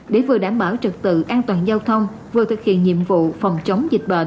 để vừa đảm bảo trực tự an toàn giao thông vừa thực hiện nhiệm vụ phòng chống dịch bệnh